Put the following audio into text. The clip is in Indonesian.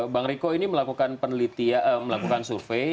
bang riko ini melakukan penelitian melakukan survei